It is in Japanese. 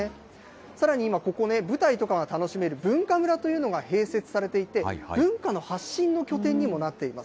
さらに今、ここね、舞台とかが楽しめる文化村というのが併設されていて、文化の発信の拠点にもなっています。